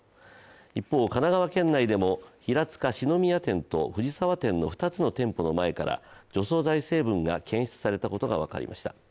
一方、神奈川県内でも平塚四之宮店と藤沢店の２つの店舗の前から除草剤成分が検出されたことが分かりました。